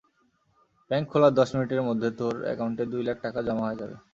Bank খোলার দশ মিনিটের মধ্যে তোর একাউন্টে দুই লাখ টাকা জমা হয়ে যাবে।